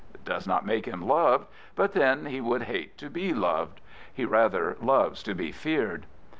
It does not make him loved; but, then, he would hate to be loved. He rather loves to be feared.